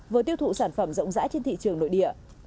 vừa tiêu thụ sản phẩm rộng rãi trên thị trường nội địa